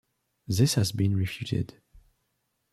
This has been refuted.